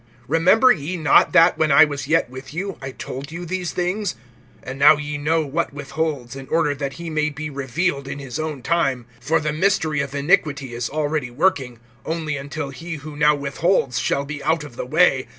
(5)Remember ye not, that, when I was yet with you, I told you these things? (6)And now ye know what withholds, in order that he may be revealed in his own time. (7)For the mystery of iniquity is already working; only until he who now withholds shall be out of the way.